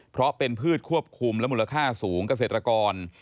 เพราะเป็นพืชควบคุมและมูลค่าสูงเกษตรกร